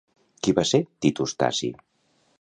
Qui va ser Titus Taci?